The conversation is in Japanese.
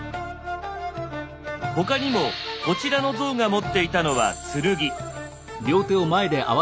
他にもこちらの像が持っていたのは剣。